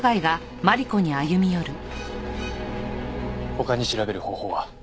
他に調べる方法は？